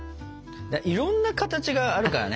いろんな形があるからね